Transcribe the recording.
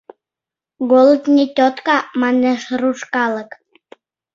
«Голод — не тётка», — манеш руш калык.